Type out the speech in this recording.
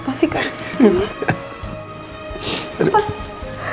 pasti gak ada sedih